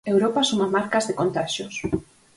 Europa suma marcas de contaxios.